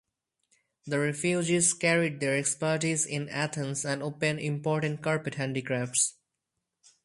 The refugees carried their expertise in Athens and opened important carpet handicrafts.